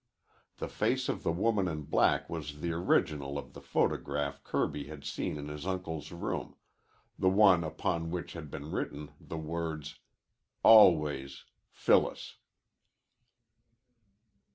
The face of the woman in black was the original of the photograph Kirby had seen in his uncle's room, the one upon which had been written the words, "Always, Phyllis."